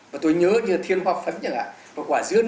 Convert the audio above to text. và tôi nhớ đến bài thuốc của hải thường đông